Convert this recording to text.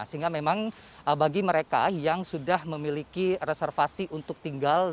sehingga memang bagi mereka yang sudah memiliki reservasi untuk tinggal